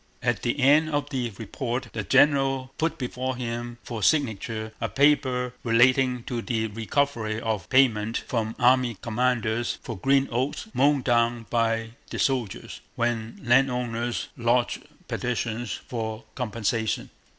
At the end of the report the general put before him for signature a paper relating to the recovery of payment from army commanders for green oats mown down by the soldiers, when landowners lodged petitions for compensation.